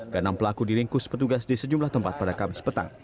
kenam pelaku diringkus petugas di sejumlah tempat pada kamis petang